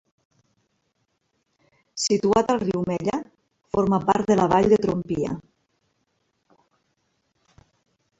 Situat al riu Mella, forma part de la vall de Trompia.